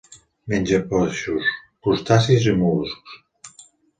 Menja peixos, crustacis i mol·luscs.